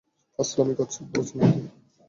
ফাজলামি করছেন নাকি?